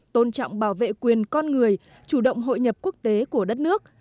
tôn trọng bảo vệ quyền con người chủ động hội nhập quốc tế của đất nước